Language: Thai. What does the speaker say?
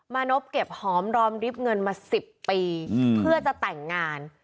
นพเก็บหอมรอมริบเงินมา๑๐ปีเพื่อจะแต่งงาน